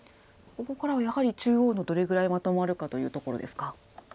ここからはやはり中央どれぐらいまとまるかというところですか。